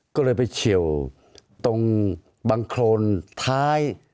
ก็เลยไปเฉียวตรงบังโครนท้าย